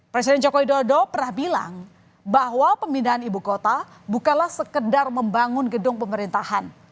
presiden jokowi dodo pernah bilang bahwa pemindahan ibu kota bukanlah sekedar membangun gedung pemerintahan